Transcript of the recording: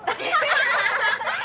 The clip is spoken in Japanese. ハハハハ！